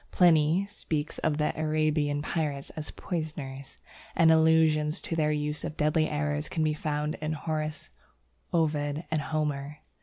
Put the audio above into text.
Pliny speaks of the Arabian pirates as poisoners, and allusions to their use of deadly arrows can be found in Horace, Ovid, and Homer.